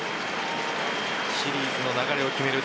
シリーズの流れを決める